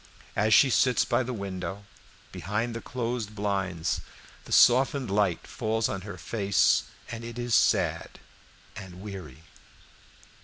As she sits by the window, behind the closed blinds, the softened light falls on her face, and it is sad and weary.